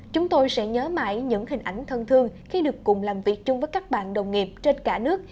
chúng tôi sẽ nhớ mãi những hình ảnh thân thương khi được cùng làm việc chung với các bạn đồng nghiệp trên cả nước